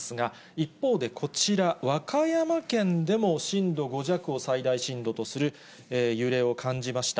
一方で、こちら、和歌山県でも震度５弱を最大震度とする揺れを感じました。